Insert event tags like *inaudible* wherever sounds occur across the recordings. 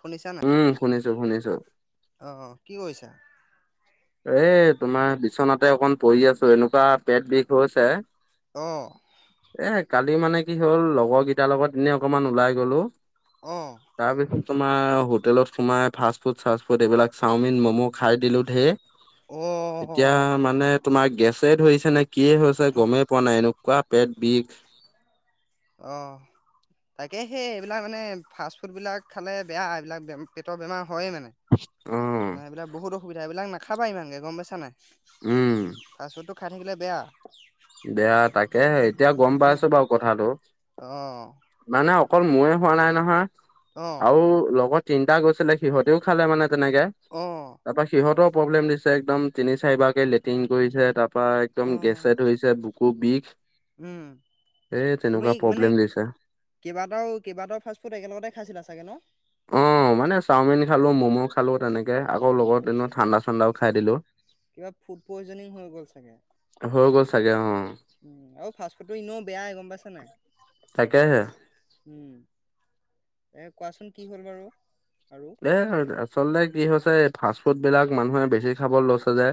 শুনিছা নাই! উম শুনিছো শুনিছো অঁ, অঁ কি কৰিছা! এ তোমাৰ বিচনাতে অকণ পৰি আছো এনেকুৱা পেট বিষ হৈছে অ' এ কালি মানে কি হ'ল, লগৰ কেইটাৰ লগত এ নেই অকমান ওলাই গলোঁ অ' তাৰপিছত, তোমাৰ হোটেলত সোমাই ফাষ্ট ফুড, চাষ্ট ফুড এইবিলাক চাওমিন ম'মো খাই দিলো ঢেৰ এতিয়া অ' মানে তোমাৰ গেছে ধৰিছে, নে কি হৈছে গমেই পোৱা নাই এনেকুৱা পেট বিষ অ' তাকে, সেই এইবিলাক মানে ফাষ্ট ফুডবিলাক খালে বেয়া! এইবিলাক বে পেটৰ বেমাৰ হয়েই মানে উম মানে, এইবিলাক বহুত অসুবিধা! এইবিলাক নাখাবা ইমানকে গম পাইছা নাই উম ফাষ্টফুড বোৰ খাই থাকিলে বেয়া বেয়া তাকে এতিয়া গম উম, পাইছো বাৰু কথাটো অ' মানে অকল মোৱে হোৱা নাই নহয় অ' আও লগত তিনিটা গৈছিলে সিহঁতেও খালে মানে তেনেকে অ' তাৰপা সিহঁতৰ প্ৰব্লেম দিছে, একদম তিনি চাৰিবাৰ কে লেট্ৰিন কৰিছে তাৰ পৰাা একদম অ' গেছে ধৰিছে বুকু বিষ উম। এই তুমি তেনেকুৱা মানে প্ৰব্লেম দিছে কেইবাটাও কেইবাটাও ফাষ্টফুড একেলগতে খাইছিলা চাগে ন অ', মানে চাওমিন খালোঁ ম'ম' খালোঁ তেনেকৈ আকৌ লগত অ' এনেো ঠাণ্ডা ঠাণ্ডাও খাই দিলোঁ কিবা ফুড পইজনিং হৈ গ'ল চাগে তাকে উম আও ফাষ্টফুড টো ইনেও বেয়াই গম পাইছা নে নাই তাকেহে উম এ কোৱাচোন কি হ'ল বাৰু, আৰু এ আচলতে কি হৈছে এই ফাষ্ট ফুড বিলাক মানুহে বেছি খাব লৈছে যে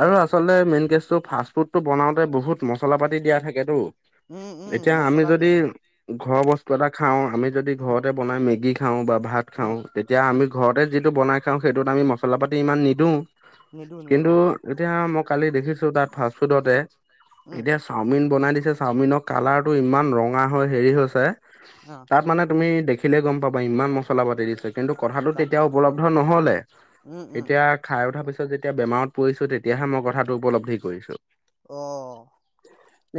আৰু আচলতে মেইন কেচটো ফাষ্ট ফুডটো বনাওতে বহুত মচলা পাতি দিয়া থাকেতো উম উম এতিয়া, আমি মছলা যদি দিয়া অঁ ঘৰৰ বস্তু এটা খাও আমি যদি ঘৰতে বনাই মেগী খাওঁ, ভাত খাওঁ উম তেতিয়া আমি উম ঘৰ ঘৰতে যিটো বনাই খাওঁ সেইটোত আমি মচলা পাতি ইমান নিদিওঁ নিদো নিদো কিন্তু অঁ এতিয়া মই কালি দেখিছো তাত ফাষ্টফুডতে উম এতিয়া চাওমিন বনাই দিছে চাওমিনৰ কালাৰটো ইমান ৰঙা হৈ হেৰি হৈছে অ' তাত মানে, তুমি দেখিলেইে গম পাবা, ইমান মছলা পাতি দিছে। কথা টো তেতিয়া তাকে তাকে উপলব্ধ নহলে উম উম এতিয়া খাই উঠাৰ পিছত যেতিয়া বেমাৰত পৰিছো। তেতিয়াহে মই কথাটো উপলব্ধি কৰিছো। অ'।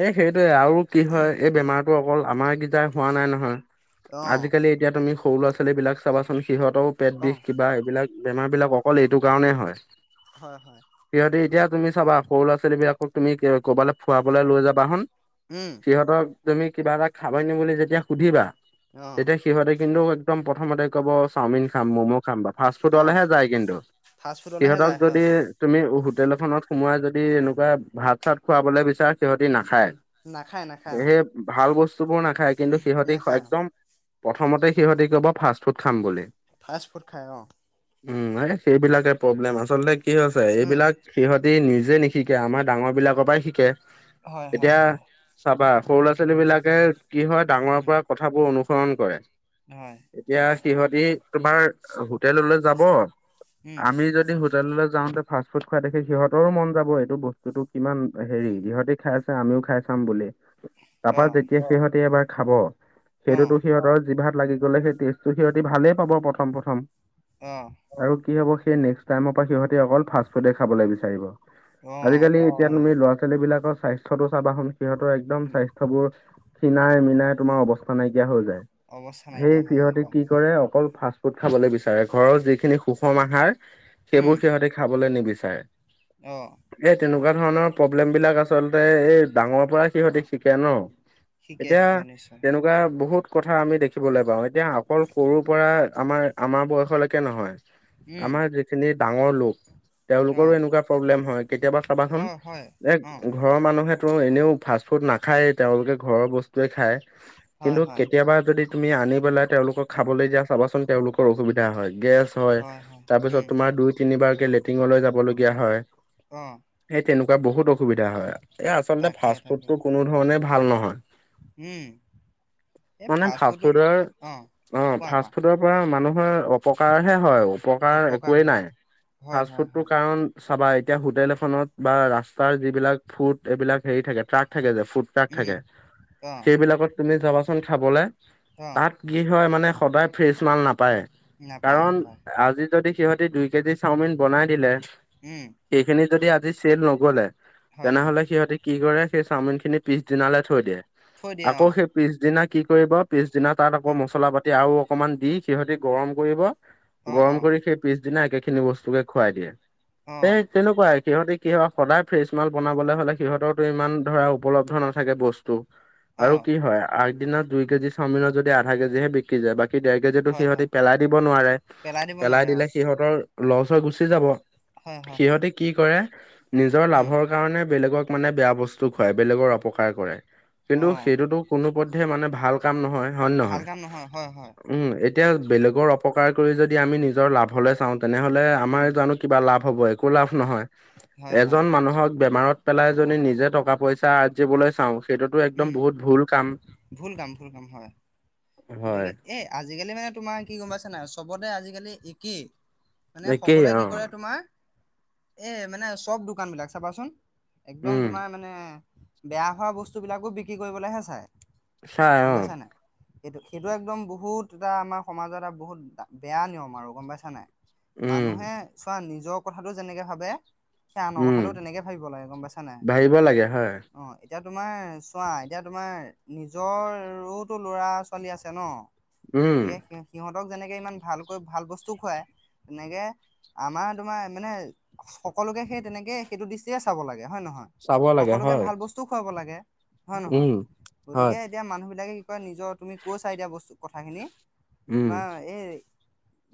এ, সেইটোৱে আও, কি হয় এই উম বেমাৰতটো অকল আমাৰকেইটাই হোৱা নাই নহয়। অঁ আজিকালি এতিয়া তুমি সৰু ল'ৰা-ছোৱালী বিলাক চাবাচোন সিহঁতেও পেট অঁ বিষ কিবা এইবিলাক বেমাৰ বিলাক অকল এইটো কাৰণেই হয়। হয়, হয়। সিহঁতি এতিয়া তুমি চাবা সৰু ল'ৰা-ছোৱালী বিলাকক তুমি কৰ'বালৈ ফুৱাবলৈ লৈ যাবা হন। উম। সিহতক তুমি কিবা এটা খাব নি বুলি যেতিয়া সুধিবা অঁ তেতিয়া সিহঁতে কিন্তু একদম প্ৰথমতে ক'ব চাওমিন খাম ম'ম' খাম বা ফাষ্ট ফুড অঁ হ'লেহে যায় কিন্তু ফাষ্ট ফুডলেহে সিহঁতক যায় যদি হয় হয় তুমি হোটেল এখনত সোমাই যদি এনেকুৱা ভাত, চাত খুৱা। সিহতি নাখায় উম নাখায় নাখায় অঁ সেয়েহে ভাল বস্তু বোৰ নাখায় কিন্তু সিহঁতি নাখায় অঁ একদম প্ৰথমতে সিহঁতি ক'ব ফাৰ্ষ চ'ত খাম গ'লে ফাষ্ট ফুড খায় অ'। উম, এই সেইবিলাকে প্ৰব্লেম আচলতে কি হৈছে উম এইবিলাক সিহঁতি নিজে নিশিকে আমাৰ ডাঙৰ বিলাকৰ পৰাই শিকে। হয়, হয়, এতিয়া হয়। চাবা সৰু ল'ৰা-ছোৱালী বিলাকে কি হয় ডাঙৰৰ উম পৰা কথাবোৰ অনুসৰণ কৰে। হয়। এতিয়া সিহঁতি তোমাৰ হোটেললৈ যাব উম আমি যদি হোটেললৈ যাওঁতে ফাষ্ট ফুড খাই দেখে সিহঁতৰো মন যাব এইটো বস্তুতটো কিমান হেৰি সিহঁতে খাই। আমিও খাই চাম বুলি তাৰপা অঁ যেতিয়া সিহঁতে এবাৰ খাব। অঁ সেইটোতো অ'। আৰু কি হ'ব সেই নেক্ টাইৰ পৰা সিহঁ অকল ফাষ্ট ফুডে খাবলৈ বিচাৰিব। অঁ আজিকালি এতিয়া তাকে তুমি ল'ৰা-ছোৱালী বিলাকৰ স্বাস্থ্যতটো চাবাচোন সিহঁতৰ একদম উম স্বাস্থবোৰ খীণাই, মিনাই তোমাৰ অৱস্থা নাইকিয়া হৈ যায়। অৱস্থা নাইকিয়া সেই হৈ যায় সিহতি হয় অকল ফাষ্ট ফুড খাবলৈ বিচাৰে। চাৰে ঘৰৰ যিখিনি সুষম আহাৰ উম সেইবোৰ সিহঁতি খাবলৈ নিবিচাৰে। অঁ এই তেনেকুৱা ধৰণৰ প্ৰব্লেম বিলাক আচলতে এই ডাঙৰ পৰা সিহঁতি শিকে ন। শিকে এতিয়া শিকে নিশ্চয় তেনেকুৱা বহুত কথা আমি দেখিবলৈ পাওঁ এতিয়া। অকল সৰুৰ পৰা আমাৰ আমাৰ বয়সলৈকে নহয় উম আমাৰ যিখিনি ডাঙৰ লোক তেওঁলোকৰো অ', এনেকুৱা প্ৰব্লেম হয়। কেতিয়াবা কাৰোবাখন অ', হয় এক অ', ঘৰৰ মানুহে এনেও ফাষ্ট ফুড নাখায়। তেওঁলোকে ঘৰৰ বস্তুৱে খায় হয়, কিন্তু হয়, কেতিয়াবা যদি তুমি আনি পেলাই তেওঁলোকক খাবলৈ যা চাবাচোন তেওঁলোকৰ অসুবিধা হয়, গেছ হয়, তাৰ পিছত তোমাৰ দুই তিনিবাৰকে লেট্ৰিঙলৈ যাবলগীয়া হয়। অ'। এই তেনেকুৱা বহুত অসুবিধা হয় আৰু। এই আচলতে তাকে ফাষ্ট তাকে ফুডতটো কোনো ধৰণেই ভাল নহয়। উম। এই মানে ফাষ্ট ফুড ফাষ্টফুডৰ অ, কোৱা কোৱা ফাষ্ট ফুডৰ পৰা মানুহৰ অপকাৰহে হয় আৰু উপকাৰ অপকাৰ একোৱেই হয়, নাই হয়, ফাষ্ট হয়, ফুডটো হয়, কাৰণ চাবা এতিয়া হোটেল এখনত বা ৰাস্তাৰ যিবিলাক ফুড এইবিলাক হেৰি থাকে ট্ৰাক থাকে যে ফুড উম, থাকে অ', সেইবিলাকত তুমি যাবাচোন খাবলে অ', তাত কি হয় মানে সদায় ফ্ৰেচ মাল নাপায় নাপায় কাৰণ নাপায় আজি যদি সিহঁতি দুই কেজি চাওমিন বনাই দিলে। উম, সেইখিনি যদি আজি চেল নগলে হয়, হয়, তেনেহলে সিহঁতি কি কৰে সেই চাওমিন খিনি পিছ দিনালৈ থৈ দিয়ে থৈ দিয়ে আকৌ অ', সেই, পিছদিনা কি কৰিব পিছদিনা তাত আকৌ উম, মছলা পাতি তেয়াও অকমান দি সিহঁতি গৰম কৰিব অ', গৰম অ', কৰি সেই পিছদিনা একে খিনি বস্তুকে খুৱাই দিয়ে স অ', তেনেকুৱাই সিহতি কি হয়। সদায় ফ্ৰেচ মাল বনাবলৈ হ'লে সিহঁতৰতো ইমান ধৰা উপলব্ধ নাথাকে বস্তু। ত আৰু অ', কি হয় আগদিনা দুই কেজি চামজ যদি। আধা কেজিহে বিকি যায় বাকী ডেৰ কেজিতো হয়, সিহঁতি হয়, পেলাই দিব নোৱাৰে দিব পেলাই নোৱাৰে দিলে অ', সিহঁতৰ লৰচৰ গুচি যাব হয়, হয়, হয়, সিহঁতে কি কৰে নিজৰ উম, লাভৰ কাৰণে বেলেগক মানে বেয়া বস্তু খুৱাই বেলেগৰ অপকাৰ কৰে কিন্তু অ', সেইটোতো কোনো পধে মানে ভাল কাম নহয়। হয় নে ভাল গান নহয় হয় হয়। উম এতিয়া বেলেগৰ অপকাৰ কৰি যদি আমি নিজৰ লাভলৈ চাওঁ তেনেহলে উম, আমাৰ জানো। কিবা লাভ হব একো লাভ হয়, নহয় হয়, এজন মানুহক বেমাৰত পেলাই নিজে টকা পইচা। আজিবলৈ চাওঁ সেইটোতো একদম উম, বহুত ভুল কাম। ভুল কাম ভুল কাম হয়। হয় গতিকে এই আজিকালি মানে তোমাৰ কি গম পাইছা না চবতে আজিকালি একেই। মানে একেই সকলোৱে অ কি কৰে তোমাৰ এ মানে চব দোকান বিলাক চাবাচোন। একদম উম তোমাৰ মানে বেয়া হোৱা বস্তুবিলাকো বিক্ৰী কৰিবলৈহে চাই। ছ গম অ। পাইছা নাই সেইটো একদম বহুত এটা আমাৰ সমাজৰত এটা বহুত বেয়া নিয়ম আৰু গম পাইছা নাই। উম মানুহে চোৱা নিজৰ কথাটো যেনেকে ভাবে। সেইয়া আনৰ উম কথাটো তেনেকৈ ভাবিব লাগে গম পাইছ নাই। ভাবিব লাগে হয় অ' এতিয়া তোমাৰ চোৱা এতিয়া তোমাৰ নিজৰোতো ল'ৰা আছে। চলি আছে ন উম গতিকে সিহঁতক যেনেকে ইমান ভালকৈ ভাল বস্তু খুৱাই। তেনেকে আমাৰ তোমাৰ মানে সকলোকে সেই তেনেকে সেইটো দৃষ্টিয়ে চাব লাগে হয় নহয়। চাব লাগে সকলোকে হয় ভাল বস্তুও খুৱাব লাগে হয়ে নহয় উম হয় গতিকে এতিয়া মানুহবিলাকে কি কয় নিজৰ তুমি কৈছা এতিয়া বস্তু কথাখিনি উম তোমাৰ এই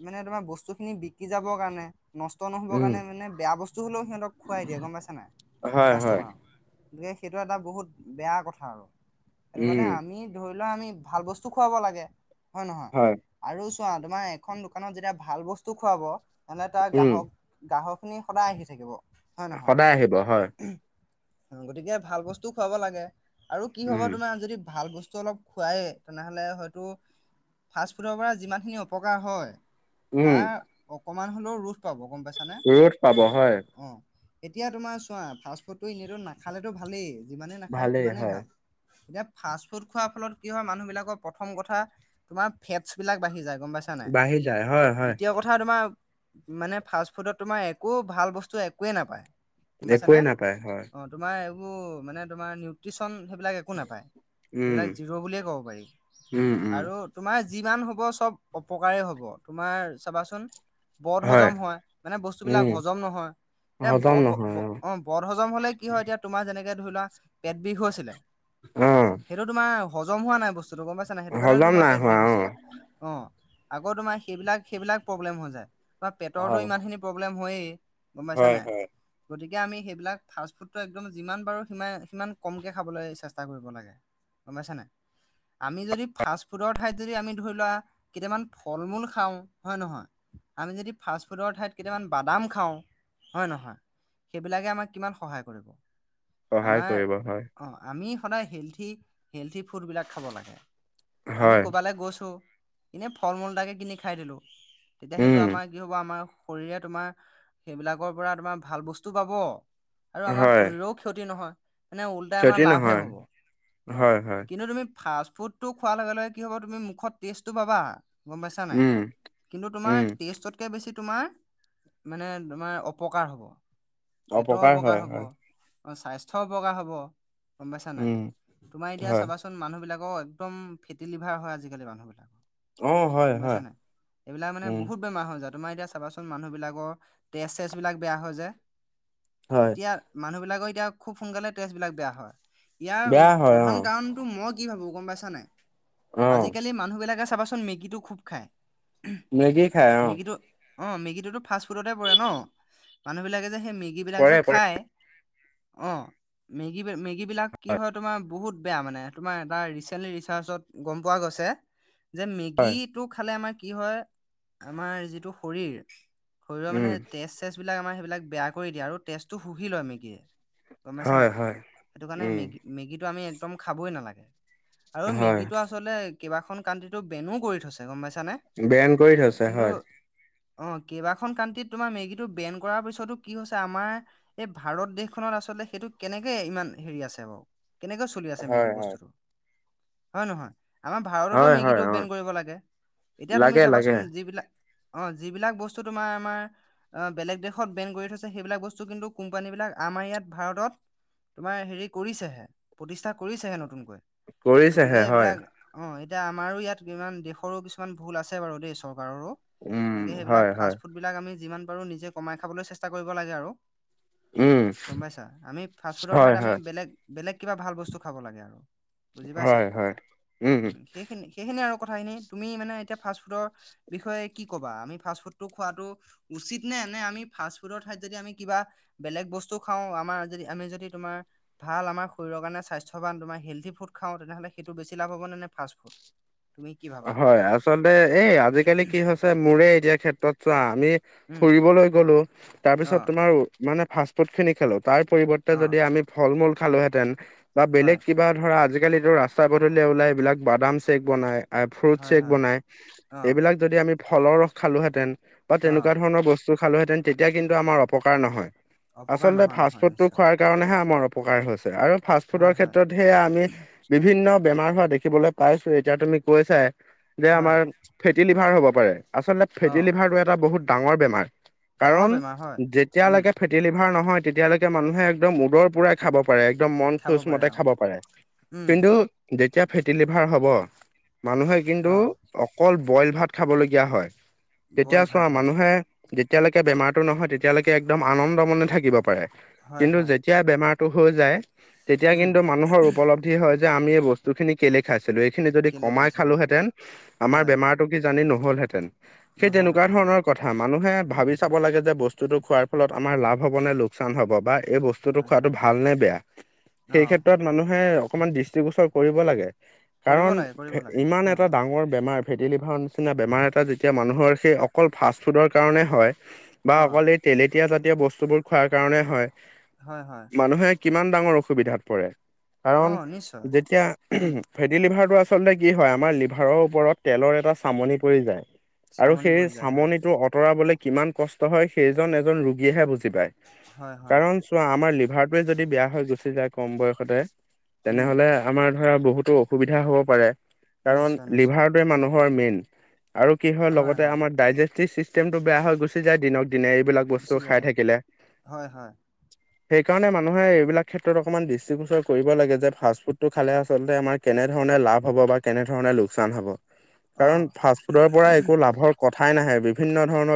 মানে তোমাৰ বস্তুখিনি বিক্ৰী যাবৰ কাৰণে নষ্ট নহবৰ উম কাৰণে মানে বেয়া বস্তু হ'লেও সিহঁতক খুৱাই দিয়ে গম পাইছে নাই হয় হয় কাষ্টমাৰক গতিকে সেইটো এটা বহুত বেয়া কথা আৰু। সেইটো উম কাৰণে আমি ধৰি লোৱা আমি ভাল বস্তু খুৱাব লাগে হয়ে নহয়। হয়। আৰু চোৱা তোমাৰ এখন দোকানত যেতিয়া ভাল বস্তু খুৱাব তেনেহলে তাৰ উম গ্ৰাহক গাহক খিনি সদায় আহি থাকিব হয় সদায় আহিব হয় নহয়। গতিকে ভাল বস্তুও খুৱাব লাগে আৰু কি হ'ব উম তোমাৰ যদি ভাল বস্তু অলপ খুৱায়েই তেনেহ'লে হয়তো ফাষ্টফুডৰ পৰা যিমানখিনি অপকাৰ হয় উম তাৰ অকণমান হ'লেও ৰোধ পাব গম পাইছ নে ৰ'দ পাব হয় অ। এতিয়া তোমাৰ চোৱা ফাষ্টফুডটো এনেইতো নাখালেতো ভালেই যিমানেই নাখায় ভালেই সিমানেই হয় ভাল। এতিয়া ফাষ্ট ফুড খোৱাৰ ফলত কি হয় মানুহ *inaudible* কথা তোমাৰ বাঢ়ি যায় হয় হয় মানে ফাষ্টফুডত তোমাৰ একো ভাল বস্তু একোৱেই নাপায়। গম পাইছানে একোৱেই নাপায় হয় অ' তোমাৰ এইবোৰ মানে তোমাৰ নিউট্ৰিচন সেইবিলাক একো নাপায়। উম সেইবিলাক জিৰ' বুলিয়ে ক'ব পাৰি উম উম আৰু তোমাৰ যিমান হ'ব চব অপকাৰে হ'ব তোমাৰ চাবাচোন। বট হজম হয় মানে বস্তুবিলাক উম হজম নহয় এতিয়া হজম বট নহয় অ। বদ হজম হলে কি হয় এতিয়া তোমাৰ যেনেকে ধৰি লোৱা পেট বিষ হৈছিল অ', সেইটো তোমাৰ হজম হোৱা নাই বস্তুতটো গম পাইছ নাই সেইটো কাৰণে হজম তোমাৰ নাই পেট হোৱা বিষ হৈছে। অ', অ' আকৌ তোমাৰ সেইবিলাক সেইবিলাক প্ৰব্লেম হৈ যায় তোমাৰ পেটৰটোো হয়, ইমান খিনি প্ৰব্লেম হয়েই গম পাইছা হয়, নে। হয়, গতিকে আমি সেইবিলাক ফাষ্টফুডটো একদম যিমান পাৰো সি সিমান কমকে খাবলৈ চেষ্টা কৰিব লাগে। গমাইছনোই। আমি যদি ফাষ্ট ফুডৰ ঠাইত যদি আমি ধৰি লোৱা কেইটামান ফল মূল খাওঁ হয়ে নহয়। আমি যদি ফাষ্ট ফুডৰ ঠাইত কেইটামান বাদাম খাওঁ হয়ে নহয়। সেইবিলাকে আমাক কিমান সহায় কৰিব! সহায় আমাৰ কৰিব হয়, অ, আমি সদাই হেলথী হেলথী ফুড বিলাক খাব আমি হয়, কবালৈ গৈছো এনেই ফল মূল এটাকে কিনি খাই দিলো তেতিয়া সেইটো উম, আমাৰ কি হ'ব আমাৰ শৰীৰে তোমাৰ সেইবিলাকৰ পৰা তোমাৰ ভাল বস্তু পাব আৰু আমাৰ হয়, শৰীৰৰও ক্ষতি নহয় মানে ওল্টাই আমাৰ ক্ষতি লাভে নহয়, হ'ব অ, হয়, হয়, কিন্তু তুমি ফাষ্টফুডটো খোৱাৰ লগে লগে কি হ'ব তুমি মুখত টেষ্টটো পাবা গম পাইছা নে নাই উম, কিন্তু উম, তোমাৰ টেষ্টত কে বেছি তোমাৰ মানে তোমাৰ অপকাৰ হ'ব। পেটৰ অপকাৰ হয়, হব। হয়, অঁ, স্বাস্থ্য অপকাৰ হ'ব গম পাইছা নাই উম, তোমাৰ এতিয়া হয়, চাবাচোন মানুহবিলাকৰ একদম ফেটি লিভাৰ হয় আজিকালি মানুহবিলাকৰ অ', হয়, গম হয়, পাইছানে নাই এইবিলাক মানে উম, বহুত বেমাৰ হৈ যায় তোমাৰ এতিয়া চাবাচোন মানুহ বিলাকৰ তেজ চেজ বিলাক বেয়া হয় যে হয়, এতিয়া মানুহবিলাকৰ এতিয়া খুব সোনকালে তেজ বিলাক বেয়া হয়। ইয়াৰ বেয়া হয় প্ৰধান অ', কাৰণতটো মই কি ভাবো গম পাইছানে নাই অ', আজিকালি মানুহবিলাকে চাবাচোন মেগীটো খুব খায় মেগী খাই অ', মেগীটো অ, মেগীটোতো ফাষ্ট ফুডতে পৰে ন? মানুহ বিলাকে যে সেই মেগী বিলাক যে পৰে, পৰে, খায় অ, মেগী মেগী বিলাক কি হয় তোমাৰ বহুত বেয়া মানে তোমাৰ এটা ৰিচাৰ্জট গম পোৱা গৈছে যে মেগী হয়, টো খালে আমাৰ কি হয় আমাৰ যিটো শৰীৰ শৰীৰৰ মানে উম, তেজ চেজ বিলাক আমাৰ সেইবিলাক বেয়া কৰি দিয়ে আৰু তেজটো সুহি লয় মেগীয়ে। গম পাইছ হয়, নাই হয়, সেইটো কাৰণে উম, মেগী মেগীটো আমি একদম খাবই নালাগে। আৰু হয়, মেগী টো আচলতে কেইবাখন কাণ্ট্ৰিটো বেনো কৰি থৈছে গম পাইছানে? বেন কৰি থৈছে কিন্তু হয়। অ, কেইবাখন কাণ্ট্ৰিত তোমাৰ মেগীটো বেন কৰাৰ পিছতো কি হৈছে আমাৰ এই ভাৰত দেশখনত আচলতে সেইটো কেনেকে ইমান হেৰি আছে বাৰু কেনেকে চলি আছে হয়, মেগী হয়, বস্তুটো হয়, নহয় আমাৰ ভাৰততো হয়, হয়, মেগীটো অ', বেন কৰিব লাগে এতিয়া তুমি লাগে, লাগে, চাবাচোন যিবিলাক অঁ, যিবিলাক বস্তু তোমাৰ আমাৰ বেলেগ দেশত বেন কৰি থৈছে সেইবিলাক বস্তু কিন্তু কোম্পানী বিলাক আমাৰ ইয়াত ভাৰতত তোমাৰ হেৰি কৰিছেহে প্ৰতিষ্ঠা কৰিছেহে নতুনকৈ। গতিকে কৰিছেহে হয়, এইবিলাক অ, এতিয়া আমাৰো ইয়াত ইমান দেশৰো কিছুমান ভুল আছে বাৰু দেই চৰকাৰো উম, গতিকে হয়, সেইবিলাক হয়, ফাষ্ট ফুডবলাক আমি যিমান পাৰো নিজে কমাই খাবলৈ চেষ্টা কৰিব লাগে আৰু উম, গম পাইছা আমি ফাষ্ট ফুডৰ ঠাইত হয়, আমি হয়। বেলেগ বেলেগ কিবা ভাল বস্তু খাব লাগে আৰু বুজি পাইছা হয় হয় উম, সেইখিনি সেইখিনিয়ি আৰু কথাখিনি তুমি মানে এতিয়া ফাষ্টফুডৰ বিষয়ে কি ক'বা আমি ফাষ্টফুডটো খোৱাটো উচিত নে নে আমি ফাষ্ট ফুডৰ ঠাইত যদি আমি কিবা বেলেগ বস্তু খাওঁ আমাৰ যদি আমি যদি তোমাৰ ভাল আমাৰ শৰীৰৰ কাৰণে স্বাস্থ্যৱান তোমাৰ হেল্থি ফুড খাওঁ তেনেহ'লে সেইটো বেছিা লাভ হব নে ফাষ্টফুড? হয় আচলতে এই আজিকালি কি হৈছে মোৰে এতিয়া ক্ষেত্ৰত চোৱা আমি উম, ফুৰিবলৈ গলো তাৰ পিছত অ', তোমাৰ মানে ফাষ্ট ফুড খিনি খালোঁ। তাৰ পৰিৱৰ্তে যদি অ', আমি ফল মূল খালোহেঁতেন বা বেলেগ হয়, কিবা ধৰা আজিকালিত এইটো ৰাস্তা পদুলিয়ে ওলাই এইবিলাক বাদাম চেক বনায় ফ্ৰুট হয়, শেক হয়, বনাই অ', এইবিলাক যদি আমি ফলৰ ৰস খালোহেতেন বা তেনেকুৱা অ', ধৰণৰ বস্তু খালোঁ হেতেন তেতিয়া কিন্তু আমাৰ অপকাৰ নহয় অপকাৰ আছলতে নহয় ফাৰ্ষ্ট নহয় ফুডটো নিশ্চয়। খোৱাৰ কাৰণেহে আমাৰ অপকাৰ হৈছে আৰু ফাষ্ট ফুডৰ হয়, হয়, ক্ষেত্ৰত হে আমি বিভিন্ন বেমাৰ হোৱা দেখিবলৈ পাইছো এতিয়া তুমি কৈছাই যে হয়, আমাৰ ফেটি লিভাৰ হ'ব পাৰে আচলতে ফেটি অ', লিভাৰটো এটা বহুত ডাঙৰ বেমাৰ। ডাঙৰ কাৰণ বেমাৰ হয়। উম, যেতিয়ালৈকে ফেটি লিভাৰ নহয় তেতিয়ালৈকে মানুহে একদম উদৰ পুৰাই খাব পাৰে একদম মন খাব খোজ পাৰে মতে অ', খাব পাৰে উম, কিন্তু যেতিয়া ফেটি লিভাৰ হ'ব মানুহে কিন্তু অ', অকল বইল ভাত খাবলগীয়া হয় তেতিয়া বইল ভাত চোৱা হয়। মানুহে যেতিয়ালৈকে বেমাৰটো নহয় তেতিয়ালৈকে একদম আনন্দ মনে থাকিব পাৰে হয় কিন্তু হয় যেতিয়া বেমাৰতটো হৈ যায় তেতিয়া উম কিন্তু মানুহৰ উপল হয় যে আমি এই বস্তু খিনি কেলে খাইছিলো এইখিনি যদি কেলে কমাই খাইছিলোঁ খালোহেতেন আমাৰ হয় বেমাৰ জানি নহলহেতেন সেই তেনেকুৱা নহ'লহেঁতেন হয় ধৰণৰ কথা মানুহে ভাবি চাব লাগে যে বস্তুতটো খোৱাৰ ফলত আমাৰ লাভ হব নে লোকচান হ'ব বা এই বস্তু বস্তুটো হয় খোৱাটো হয় ভাল নে বেয়া সেই অঁ ক্ষেত্ৰত মানুহে অকমান দৃষ্টিগোচৰ কৰিব লাগে কৰিব কাৰণ লাগে কৰিব লাগে ইমান অঁ এটা ডাঙৰ বেমাৰ ফেটিলিভাৰ নিচিনা বেমাৰ এটা যেতিয়া মানুহৰ সেই অকল ফাষ্ট ফুডৰ কাৰণে হয় বা অঁ অকলে তেলেতীয়া জাতীয় বস্তুবোৰ খোৱাৰ কাৰণে হয়। হয় হয় মানুহে কিমান ডাঙৰ অসুবিধাত পৰে কাৰণ অঁ নিশ্চয় যেতিয়া উম ফেটি লিভাৰ টো আচলতে কি হয় আমাৰ লিভাৰৰ ওপৰত তেলৰ এটা চামনি পৰি যায় আৰু চামনি সেই পৰি যায় হয় চামনিটো আঁতৰাবলৈ কিমান কষ্ট হয় সেইজন এজন ৰোগীয়েহে বুজি পায় হয় হয় কাৰণ আমাৰ লিভাৰটয়ে যদি বেয়া হৈ গুচি যায় কম বয়সতে উম তেনেহলে আমাৰ ধৰা বহুতো অসুবিধা হ'ব পাৰে কাৰণ নিশ্চয় নিশ্চয় লিভাৰটোৱে মানুহৰ মেইন আৰু কি হয় লগতে আমাৰ ডাইজেষ্টিভ চিষ্টেমটো বেয়া হৈ গুচি যায় দিনক দিনে এইবিলাক গুচি বস্তু যায় খাই অঁ থাকিলে হয় হয়। সেইকাৰণে মানুহে এইবিলাক ক্ষেত্ৰত অকণমান দৃষ্টিগোচৰ কৰিব লাগে যে ফাষ্ট ফুডটো খালে আচলতে আমাৰ কেনেধৰণে লাভ হ'ব বা কেনেধৰণে লোকচান হ'ব কাৰণ অঁ ফাষ্ট ফুডৰ পৰা একো লাভৰ কথাই নাহে বিভিন্ন ধৰণৰ